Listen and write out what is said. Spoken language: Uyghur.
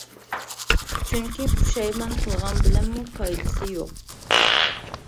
چۈنكى پۇشايمان قىلغان بىلەنمۇ پايدىسى يوق.